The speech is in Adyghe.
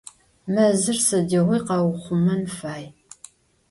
Mezır sıdiğui kheuuxhumen fay.